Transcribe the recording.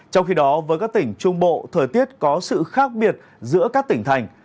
trong khi đó với các tỉnh trung bộ thời tiết có sự khác biệt giữa các tỉnh thành